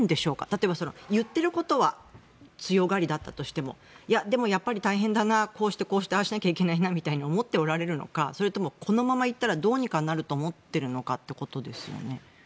例えば言ってることは強がりだったとしてもいや、でも大変だな、こうしてああしなきゃいけないなと思っておられるのかそれとも、このままいったらどうにかなると思っているのか。